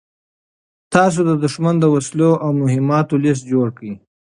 تاسو د دښمن د وسلو او مهماتو لېست جوړ کړئ.